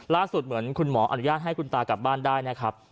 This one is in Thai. เหมือนคุณหมออนุญาตให้คุณตากลับบ้านได้นะครับ